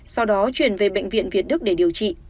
sau đó chuyển về bệnh viện việt đức để điều trị